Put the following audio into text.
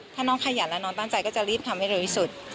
ถ้าน้องขยันแล้วน้องตั้งใจก็จะรีบทำให้เร็วที่สุด